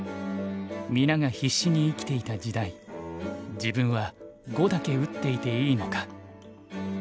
「皆が必死に生きていた時代自分は碁だけ打っていていいのか」。